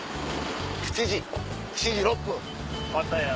７時７時６分。